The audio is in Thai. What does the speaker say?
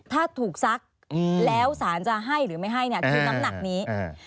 ถ้าถูกซักอืมแล้วสารจะให้หรือไม่ให้เนี่ยคือน้ำหนักนี้